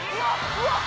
うわっ